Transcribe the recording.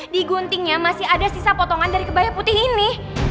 di guntingnya masih ada sisa potongan dari kebaya putih ini